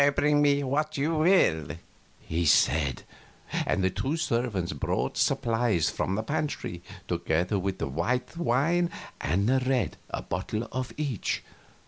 "Bring me what you will," he said. The two servants brought supplies from the pantry, together with white wine and red a bottle of each.